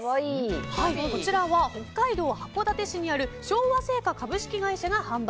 こちらは北海道函館市にある昭和製菓株式会社が販売。